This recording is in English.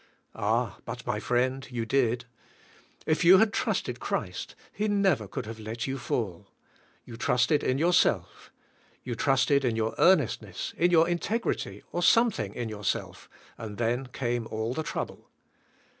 Ah, but my friend you did. If you had trusted Christ, He never could have let you fall. You trusted in yourself. You trusted in your earnestness, in your integrity or something in yourself, and then came all the trouble.